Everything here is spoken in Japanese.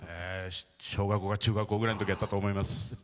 小学校か中学校ぐらいのときやったかと思います。